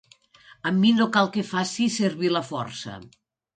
Amb mi no cal que facis servir la força.